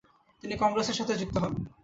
তিনি কংগ্রেসের সাথে যুক্ত হন।